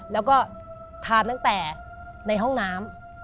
แล้วก็ทานตั้งแต่ในห้องน้ำ